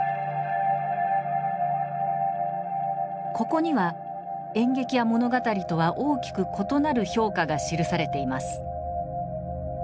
ここには演劇や物語とは大きく異なる評価が記されています。